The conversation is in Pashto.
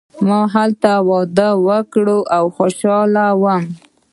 ما هلته واده وکړ او خوشحاله وم.